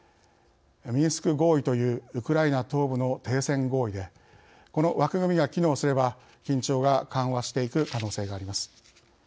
「ミンスク合意」というウクライナ東部の停戦合意でこの枠組みが機能すれば緊張が緩和していく可能性があります。